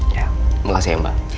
ya makasih ya mbak